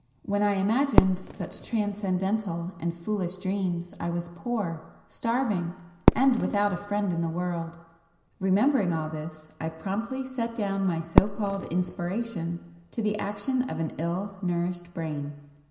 When I imagined such transcendental and foolish dreams I was poor,—starving,—and without a friend in the world;—remembering all this, I promptly set down my so called 'inspiration' to the action of an ill nourished brain.